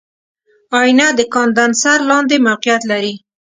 آئینه د کاندنسر لاندې موقعیت لري.